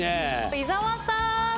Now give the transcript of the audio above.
伊沢さん。